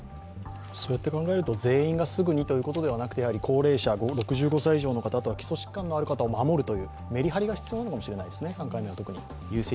そうやって考えると全員がすぐにというわけではなくて高齢者、６５歳以上の方、基礎疾患のある方を守るという、３回目は特に、メリハリが必要なのかもしれないですね。